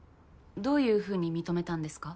どういうふうに認めたんですか？